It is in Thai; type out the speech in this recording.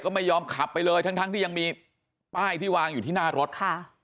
ก็ไม่ยอมขับไปเลยทั้งทั้งที่ยังมีป้ายที่วางอยู่ที่หน้ารถค่ะ